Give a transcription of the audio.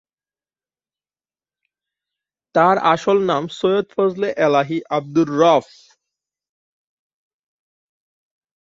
তার আসল নাম সৈয়দ ফজলে এলাহী আব্দুর রব।